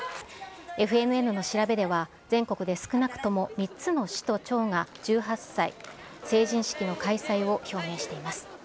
ＦＮＮの調べでは、全国で少なくとも３つの市と町が１８歳成人式の開催を表明しています。